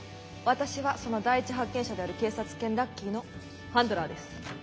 私はその第一発見者である警察犬ラッキーのハンドラーです。